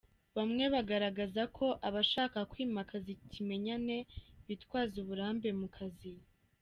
Bamwe bagaragaza ko abashaka kwimakaza ikimenyane bitwaza uburambe ku kazi.